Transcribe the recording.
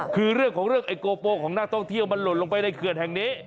คือเรื่องของกล้องโปของหน้าท่องเที่ยวมันหล่นลงไปในเครื่องแห่งนี้